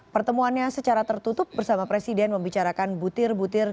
pertemuannya secara tertutup bersama presiden membicarakan butir butir